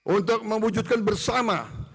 untuk memujukkan bersama